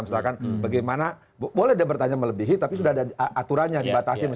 misalkan bagaimana boleh dia bertanya melebihi tapi sudah ada aturannya dibatasi